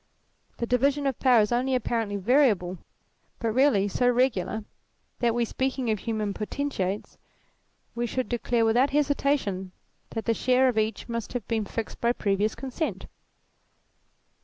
The division of power is only apparently variable, but really so regular that, were we speaking of human potentates, we should declare without hesitation that the share of each must have been fixed by previous consent.